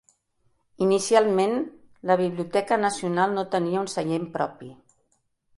Inicialment, la Biblioteca Nacional no tenia un seient propi.